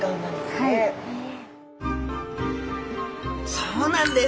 そうなんです！